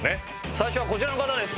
最初はこちらの方です。